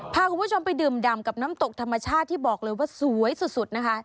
พาคุณผู้ชมไปดื่มดำกับน้ำตกธรรมชาติที่บอกเลยว่าสวยสุดนะคะ